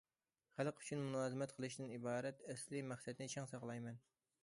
خەلق ئۈچۈن مۇلازىمەت قىلىشتىن ئىبارەت ئەسلىي مەقسەتنى چىڭ ساقلايمەن.